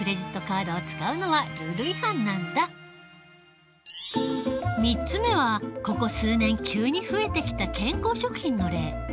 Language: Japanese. そもそも３つ目はここ数年急に増えてきた健康食品の例。